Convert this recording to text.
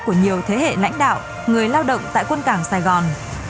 của nhiều thế hệ lãnh đạo người lao động tại quân cảng sài gòn